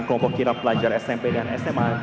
kompok kira pelajar smp dan sma